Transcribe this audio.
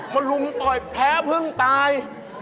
มันลุ้มต่อยแพ้เพิ่งตาย